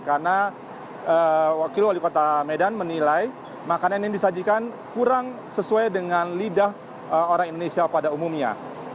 karena wakil wali kota medan menilai makanan yang disajikan kurang sesuai dengan lidah orang indonesia pada umumnya